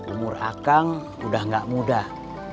umur akang sudah nggak mudah